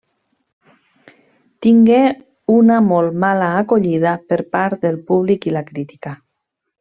Tingué una molt mala acollida per part del públic i la crítica.